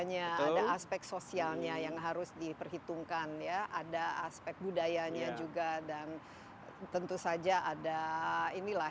ada aspek sosialnya yang harus diperhitungkan ya ada aspek budayanya juga dan tentu saja ada inilah